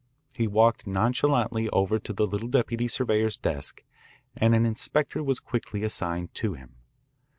He walked nonchalantly over to the little deputy surveyor's desk, and an inspector was quickly assigned to him.